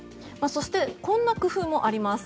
そして、こんな工夫もあります。